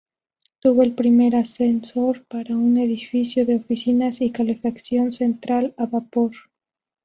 Tuvo el primer ascensor para un edificio de oficinas y calefacción central a vapor.